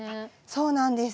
そうなんです。